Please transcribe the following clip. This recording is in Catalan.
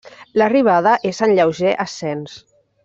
L'arribada és en lleuger ascens.